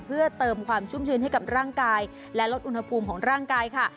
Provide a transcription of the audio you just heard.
เพื่อเติมความชุ่มชื้นให้กับร่างกายและลดอุณหภูมิของร่างกายค่ะ